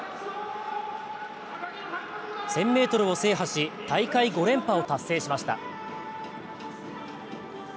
１０００ｍを制覇し、大会５連覇を達成しました。